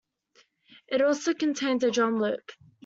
It also contains a drum loop.